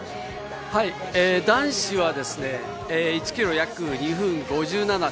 男子は１キロ約２分５７秒。